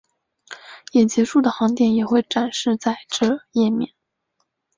也结束的航点也会展示在这页面。